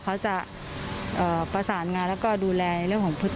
เขาจะประสานงานแล้วก็ดูแลเรื่องของพฤติ